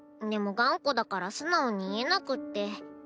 でも頑固だから素直に言えなくって。